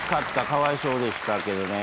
かわいそうでしたけどね。